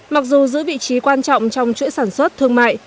mặc dù giữ vị trí quan trọng trong chuỗi sản xuất thương mại